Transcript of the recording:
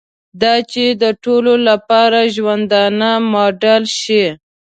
دا چې د ټولو لپاره ژوندانه ماډل شي.